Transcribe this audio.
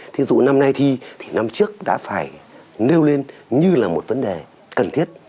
thí dụ năm nay thi thì năm trước đã phải nêu lên như là một vấn đề cần thiết